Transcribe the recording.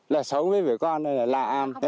là xấu với người con là lãm